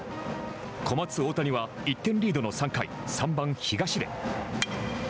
小松大谷は１点リードの３回三番東出。